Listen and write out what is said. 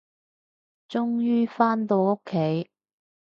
終於，返到屋企